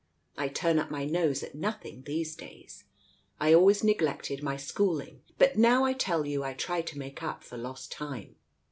I turn up my nose at nothing these days. I always neglected my schooling, but now I tell you I try to make up for lost time.